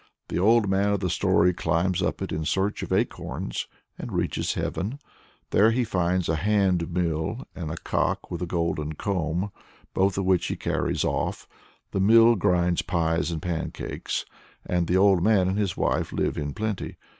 The old man of the story climbs up it in search of acorns, and reaches heaven. There he finds a hand mill and a cock with a golden comb, both of which he carries off. The mill grinds pies and pancakes, and the old man and his wife live in plenty.